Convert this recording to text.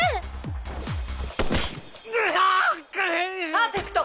「パーフェクト」